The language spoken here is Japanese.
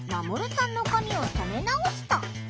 さんの髪を染め直した。